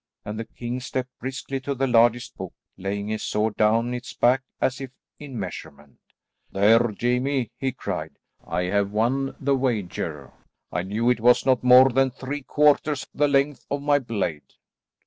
and the king stepped briskly to the largest book, laying his sword down its back as if in measurement. "There, Jamie," he cried, "I have won the wager. I knew it was not more than three quarters the length of my blade."